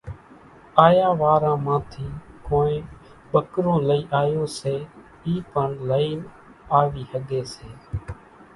آيا واران مان ٿي ڪونئين ٻڪرون لئِي آيون سي اِي پڻ لئين آوي ۿڳي سي،